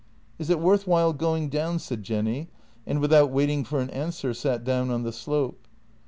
" Is it worth while going down? " said Jenny, and without waiting for an answer, sat down on the slope.